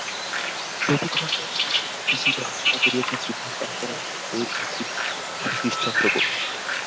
প্রতিখণ্ডের শেষে নির্দেশিকা রচনা করিয়াছেন শ্রীমান তারকনাথ দে ও শ্রী সতীশ চন্দ্র ঘোষ।